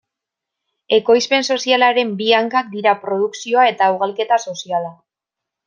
Ekoizpen sozialaren bi hankak dira produkzioa eta ugalketa soziala.